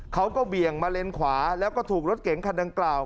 เบี่ยงมาเลนขวาแล้วก็ถูกรถเก๋งคันดังกล่าว